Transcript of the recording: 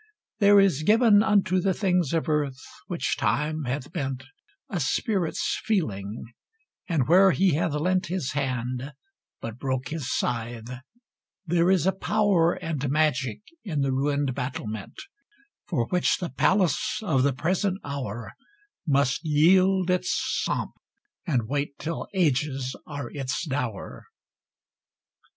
There is given Unto the things of earth, which Time hath bent, A spirit's feeling, and where he hath leant His hand, but broke his scythe, there is a power And magic in the ruined battlement, For which the palace of the present hour Must yield its pomp, and wait till ages are its dower.